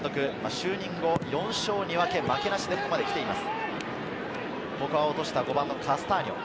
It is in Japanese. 就任後４勝２分け、負けなしでここまで来ています。